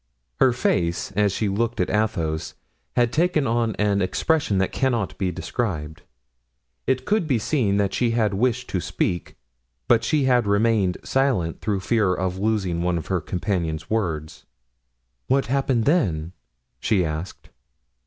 Her face, as she looked at Athos, had taken on an expression that cannot be described. It could be seen that she had wished to speak, but she had remained silent through fear of losing one of her companion's words. "What happened then?" she asked.